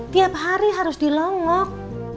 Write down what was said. tiap hari harus dilongok